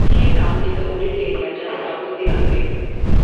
It came down in the wooded area just south of the runway.